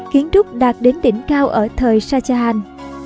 kiến trúc đạt đến đỉnh cao ở thời shah jahan